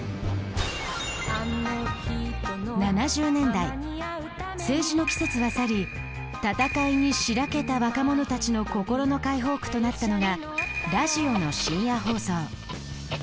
７０年代政治の季節は去り闘いにしらけた若者たちの心の解放区となったのがラジオの深夜放送。